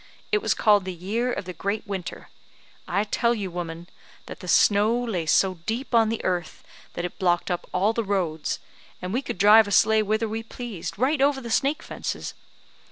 It was called the year of the great winter. I tell you, woman, that the snow lay so deep on the earth, that it blocked up all the roads, and we could drive a sleigh whither we pleased, right over the snake fences.